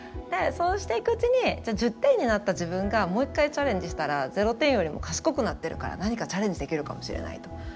そうしていくうちに１０点になった自分がもう一回チャレンジしたらゼロ点よりも賢くなってるから何かチャレンジできるかもしれないと。